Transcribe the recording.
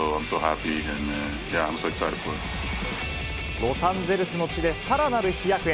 ロサンゼルスの地で、さらなる飛躍へ。